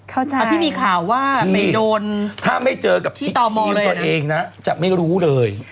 เอาที่มีข่าวว่าไปโดนที่ต่อมอเลยนะถ้าไม่เจอกับพี่ทีมตัวเองนะจะไม่รู้เลย